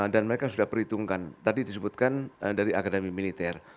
mereka sudah perhitungkan tadi disebutkan dari akademi militer